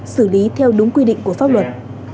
xử lý theo đúng quy định của pháp luật